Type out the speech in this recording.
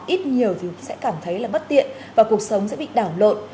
ít nhiều thì sẽ cảm thấy là bất tiện và cuộc sống sẽ bị đảo lộn